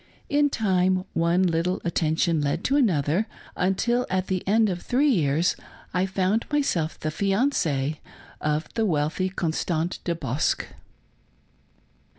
In time one little attention led to another, until at the end of three years I found myself the fianc6e of the wealthy Constant De Bosque.